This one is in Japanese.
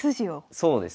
そうです。